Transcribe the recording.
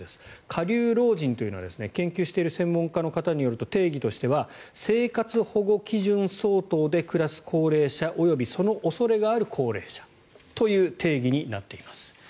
下流老人というのは研究している専門家の方によると定義としては生活保護基準相当で暮らす高齢者及びその恐れがある高齢者という定義になっています。